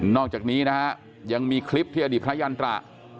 อกจากนี้นะฮะยังมีคลิปที่อดีตพระยันตระ